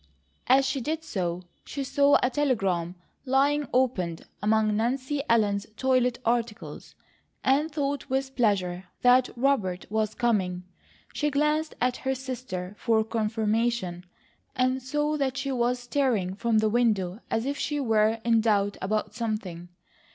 As she did so, she saw a telegram, lying opened among Nancy Ellen's toilet articles, and thought with pleasure that Robert was coming. She glanced at her sister for confirmation, and saw that she was staring from the window as if she were in doubt about something.